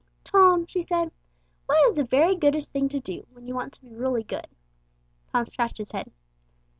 "Tom," she said, "what is the very goodest thing to do when you want to be really good?" Tom scratched his head.